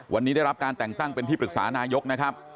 วันนี้ได้รับการแต่งตั้งเป็นที่ปรึกษานายกนะครับ